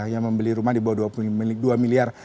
yang membeli rumah di bawah dua miliar